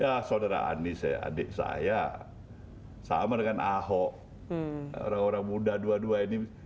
ya saudara anies ya adik saya sama dengan ahok orang orang muda dua dua ini